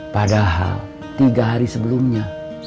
padahal tiga hari sebelumnya